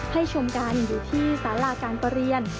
ชมกันอยู่ที่สาราการประเรียน